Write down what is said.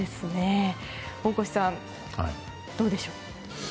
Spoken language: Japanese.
大越さん、どうでしょう？